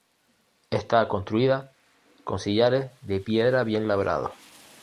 Está construida con sillares de piedra bien labrados.